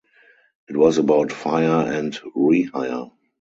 It was about fire and rehire.